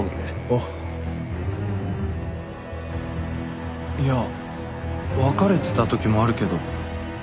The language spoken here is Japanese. おういやわかれてたときもあるけど。